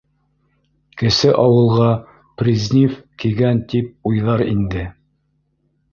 - Кесе ауылға Призниф кигән тип уйҙар инде!